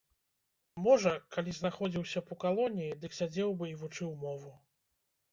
Можа, калі знаходзіўся б у калоніі, дык сядзеў бы і вучыў мову.